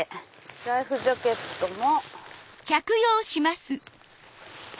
ライフジャケットも。